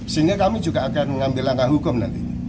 sehingga kami juga akan mengambil langkah hukum nanti